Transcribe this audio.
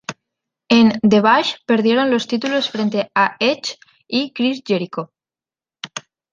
En The Bash perdieron los títulos frente a Edge y Chris Jericho.